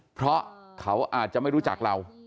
เพราะเขาอาจจะไม่รู้จักเรา